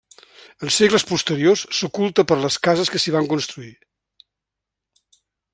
En segles posteriors s'oculta per les cases que s'hi van construint.